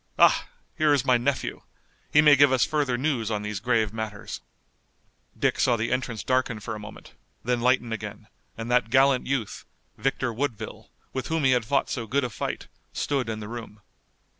Ah, here is my nephew! He may give us further news on these grave matters." Dick saw the entrance darken for a moment, then lighten again, and that gallant youth, Victor Woodville, with whom he had fought so good a fight, stood in the room.